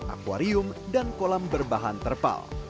akwarium dan kolam berbahan terpal